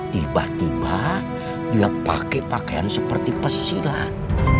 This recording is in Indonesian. tiba tiba dia pakai pakaian seperti pesilat